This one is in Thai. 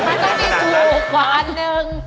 มันต้องได้ถูกกว่าอันหนึ่ง